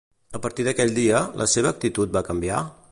A partir d'aquell dia, la seva actitud va canviar?